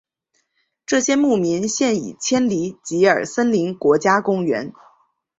这些牧民现已迁离吉尔森林国家公园。